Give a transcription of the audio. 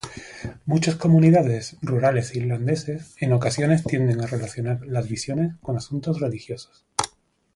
Muchas comunidades rurales irlandeses en ocasiones tienden a relacionar las visiones con asuntos religiosos.